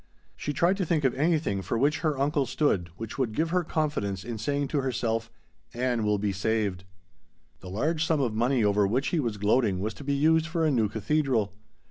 She tried to think of anything for which her uncle stood which would give her confidence in saying to herself, "Ann will be saved." The large sum of money over which he was gloating was to be used for a new cathedral.